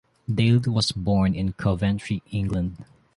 Dale was born in Coventry, England.